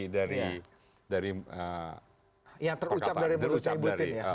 dari yang terucap dari ibu tien ya